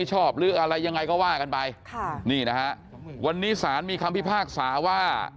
ชอบหรืออะไรยังไงก็ว่ากันไปค่ะนี่นะฮะวันนี้สารมีคำพิพากษาว่า